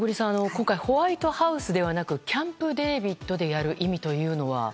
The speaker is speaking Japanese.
今回、ホワイトハウスではなくキャンプ・デービッドでやる意味とは？